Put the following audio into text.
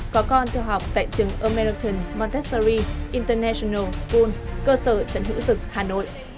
có con theo học tại trường american montessori international school cơ sở trần hữu dực hà nội